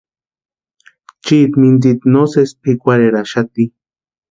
Chiiti mintsita no sési pʼikwarheraxati.